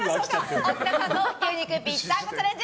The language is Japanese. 奥菜さんの牛肉ぴったんこチャレンジ